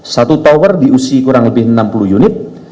satu tower di usia kurang lebih enam puluh unit